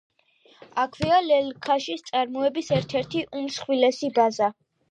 აქვეა ლელქაშის წარმოების ერთ-ერთი უმსხვილესი ბაზა.